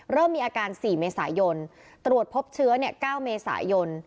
เริ่มมีอาการ๔เมษายนตรวจพบเชื้อ๙เมษายน